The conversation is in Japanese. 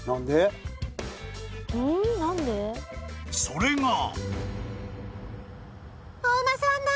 ［それが］